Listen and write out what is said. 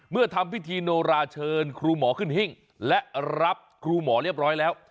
ทำพิธีโนราเชิญครูหมอขึ้นหิ้งและรับครูหมอเรียบร้อยแล้ว